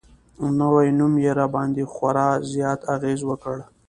نو نوم يې راباندې خوړا زيات اغېز وکړ